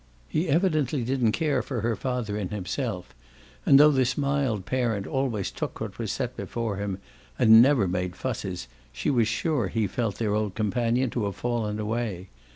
He evidently didn't care for her father in himself, and though this mild parent always took what was set before him and never made fusses she is sure he felt their old companion to have fallen away.